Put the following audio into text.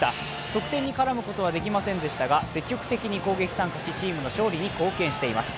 得点に絡むことはできませんでしたが、積極的に攻撃に参加し、チームの勝利に貢献しています。